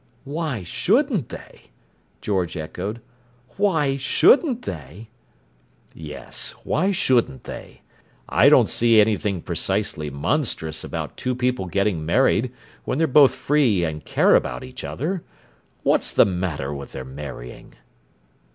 "Why shouldn't they?" George echoed. "Why shouldn't they?" "Yes. Why shouldn't they? I don't see anything precisely monstrous about two people getting married when they're both free and care about each other. What's the matter with their marrying?"